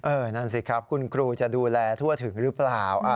นั่นสิครับคุณครูจะดูแลทั่วถึงหรือเปล่า